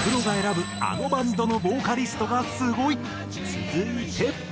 続いて。